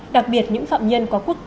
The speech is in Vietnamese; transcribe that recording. đặc biệt những phạm nhân có quốc tịch